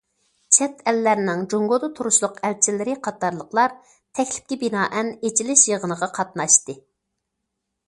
چەت ئەللەرنىڭ جۇڭگودا تۇرۇشلۇق ئەلچىلىرى قاتارلىقلار تەكلىپكە بىنائەن ئېچىلىش يىغىنىغا قاتناشتى.